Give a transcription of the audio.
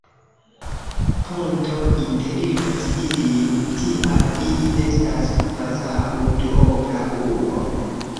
Ponto interligas ilin, tial ili estas kvazaŭ Duobla urbo.